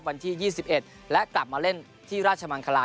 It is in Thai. วันที่ยี่สิบเอ็ดและกลับมาเล่นที่ราชมังคลา